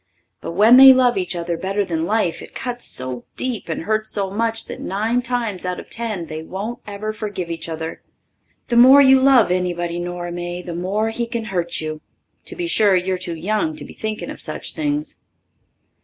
But when they love each other better than life it cuts so deep and hurts so much that nine times out of ten they won't ever forgive each other. The more you love anybody, Nora May, the more he can hurt you. To be sure, you're too young to be thinking of such things.